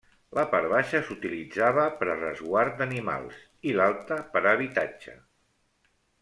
La part baixa s'utilitzava per a resguard d'animals i l'alta per a habitatge.